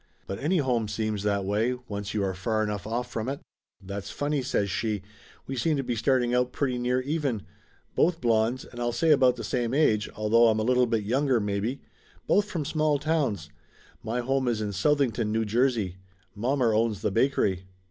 But any home seems that way, once you are far enough off from it. "That's funny !" says she. "We seem to be starting out pretty near even. Both blondes and I'll say about the same age, although I'm a little bit younger, maybe. Both from small towns. My home is in Southington, New Jersey. Mommer owns the bakery."